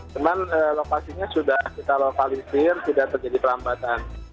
cuman lokasinya sudah kita lokalisir sudah terjadi perlambatan